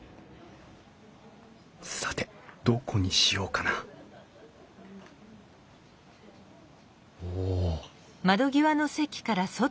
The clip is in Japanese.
さてどこにしようかなおお。